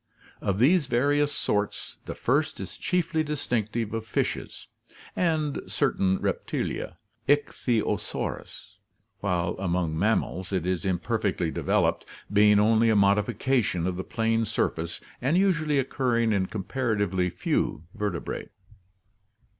Of these various sorts the first is chiefly distinctive of fishes and certain Reptilia (ichthyosaurs), while among mammals it is imperfectly developed, being only a modification of the plane surface and usually occurring in comparatively few vertebrae.